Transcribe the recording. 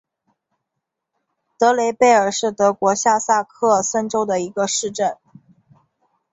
德雷贝尔是德国下萨克森州的一个市镇。